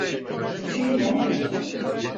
Bu şey ne?